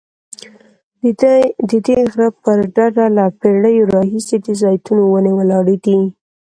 ددې غره پر ډډه له پیړیو راهیسې د زیتونو ونې ولاړې دي.